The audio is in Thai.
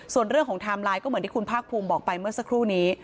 ส่วนเรื่องของไทม์ไลน์ก็เหมือนที่คุณภาคภูมิบอกไปเมื่อสักครู่นี้